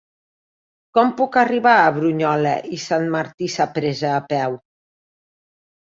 Com puc arribar a Brunyola i Sant Martí Sapresa a peu?